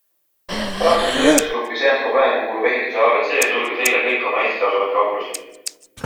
Prantsuse tööstusgruppi Saint-Gobain kuuluv Ehituse ABC sulges eile kõik oma Eestis asuvad kauplused.